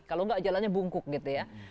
kalau enggak jalannya bungkuk gitu ya